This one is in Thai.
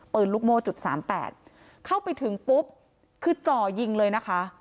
ปืนลูกโม่จุดสามแปดเข้าไปถึงปุ๊บคือจ่อยิงเลยนะคะ